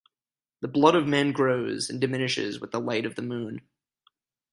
The blood of men grows and diminishes with the light of the moon.